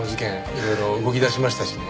いろいろ動き出しましたしね。